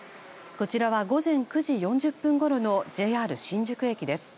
こちらは、午前９時４０分ごろのＪＲ新宿駅です。